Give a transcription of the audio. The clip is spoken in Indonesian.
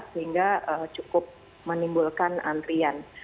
sehingga cukup menimbulkan antrian